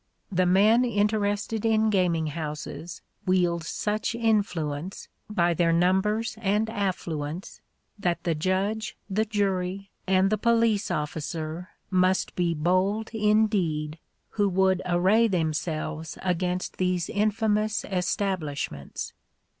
The men interested in gaming houses wield such influence, by their numbers and affluence, that the judge, the jury, and the police officer must be bold indeed who would array themselves against these infamous establishments.